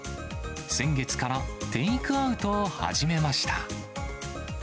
先月からテイクアウトを始めました。